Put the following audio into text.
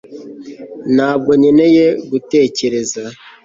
ntabwo nkeneye gutekereza